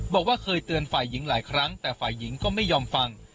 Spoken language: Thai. บอกว่าเคยเตือนฝ่ายหญิงหลายครั้งแต่ฝ่ายหญิงก็ไม่ยอมฟัง